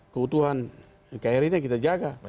keutuhan kehirinnya kita jaga